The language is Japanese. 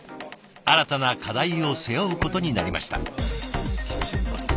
新たな課題を背負うことになりました。